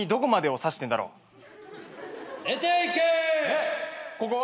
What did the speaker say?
えっここは？